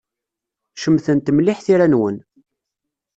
Cemtent mliḥ tira-nwen.